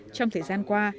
trong thời gian qua